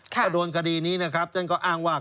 ก็โดนคดีนี้นะครับฉันก็อ้างว่า